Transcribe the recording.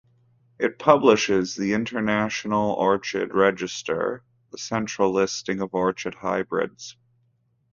It publishes The International Orchid Register, the central listing of orchid hybrids.